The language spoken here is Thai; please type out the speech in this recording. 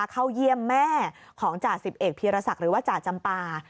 เข้าเยี่ยมแม่ของจ่าสิบเอกพีรศักดิ์หรือว่าจ่าจำปา